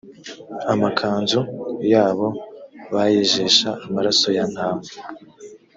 amakanzu yabo bayejesha amaraso ya ntama